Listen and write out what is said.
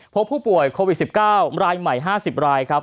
พบผู้ป่วยโควิด๑๙รายใหม่๕๐รายครับ